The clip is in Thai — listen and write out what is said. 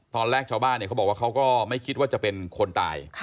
ตอนแรกชาวบ้านเขาบอกว่าเขาก็ไม่คิดว่าจะเป็นคนตาย